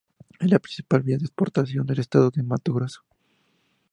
Es la principal vía de exportación del estado de Mato Grosso.